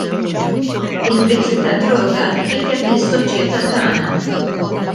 Il-vizzju tad-droga rikeb lis-soċjetà tagħna.